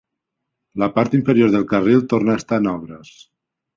La part inferior del carril torna a estar en obres.